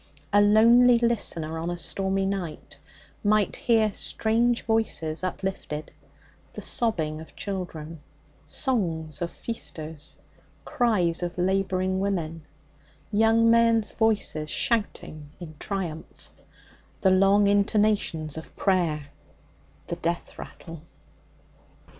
A lonely listener on a stormy night might hear strange voices uplifted the sobbing of children; songs of feasters; cries of labouring women; young men's voices shouting in triumph; the long intonations of prayer; the death rattle.